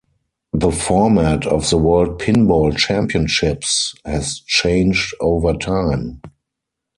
The format of the World Pinball Championships has changed over time.